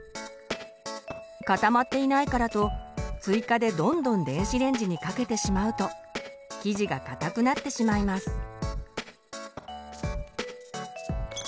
固まっていないからと追加でどんどん電子レンジにかけてしまうと生地がかたくなってしまいます。